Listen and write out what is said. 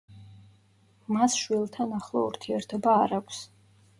მას შვილთან ახლო ურთიერთობა არ აქვს.